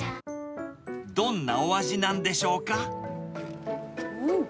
どんなお味なんでしょうか。